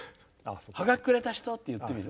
はがきくれた人って言ってみる？